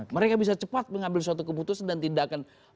mereka bisa cepat mengambil suatu keputusan dan tidak terlalu banyak